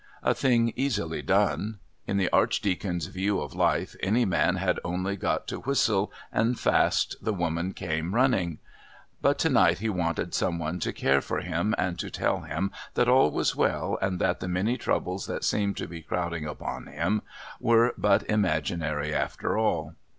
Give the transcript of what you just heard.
A thing easily done. In the Archdeacon's view of life any man had only got to whistle and fast the woman came running! But to night he wanted some one to care for him and to tell him that all was well and that the many troubles that seemed to be crowding about him were but imaginary after all.